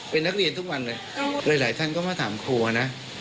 เป็นนักเรียนทุกวันเลยหลายท่านก็มาถามครัวนะ